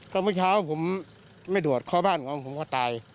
ก็เมื่อเช้าผมไม่ดวดเข้าบ้านของผมก็ตาย